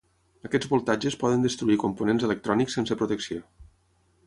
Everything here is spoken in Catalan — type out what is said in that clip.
Aquests voltatges poden destruir components electrònics sense protecció.